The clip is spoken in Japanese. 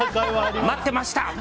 待ってました！